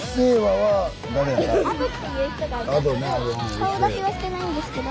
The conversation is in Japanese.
顔出しはしてないんですけど。